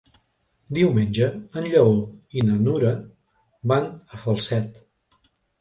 Diumenge en Lleó i na Nura van a Falset.